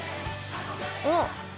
おっ！